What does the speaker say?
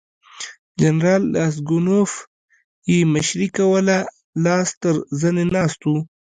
جنرال راسګونوف یې مشري کوله لاس تر زنې ناست وو.